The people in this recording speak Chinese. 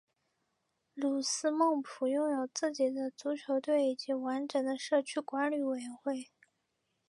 吕斯楚普拥有自己的足球队以及完整的社区管理委员会